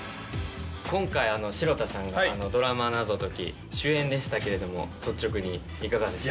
今回城田さんがドラマ謎解き主演でしたけれども率直にいかがでした？